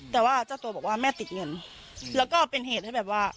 แต่ว่าเจ้าตัวบอกว่าแม่ติดเงินแล้วก็เป็นเหตุให้แบบว่า